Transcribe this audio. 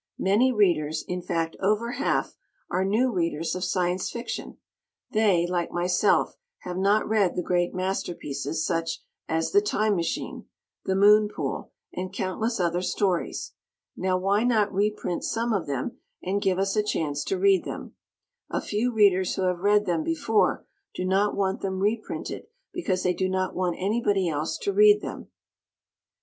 Many Readers, in fact over half, are new Readers of Science Fiction. They, like myself, have not read the great masterpieces such as "The Time Machine," "The Moon Pool" and countless other stories. Now, why not reprint some of them and give us a chance to read them? A few Readers who have read them before do not want them reprinted because they do not want anybody else to read them.